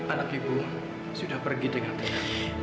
anak ibu sudah pergi dengan baik